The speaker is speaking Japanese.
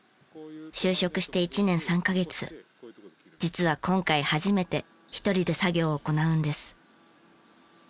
就職して１年３カ月実は今回初めて一人で作業を行うんです。